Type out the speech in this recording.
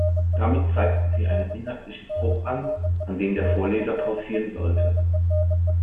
Damit zeigten sie einen inhaltlichen Bruch an, an dem der Vorleser pausieren sollte.